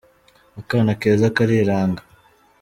Akana keza kariranga.